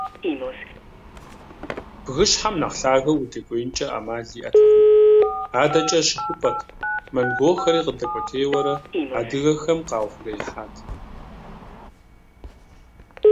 Бгыщхьэм нэхъ лъагэу удэкӏуеинкӏэ ӏэмал иӏэтэкъым, адэкӏэ щыхупӏэт, монголхэри къыдэкӏуэтейуэрэ, адыгэхэм къаухъуреихьат.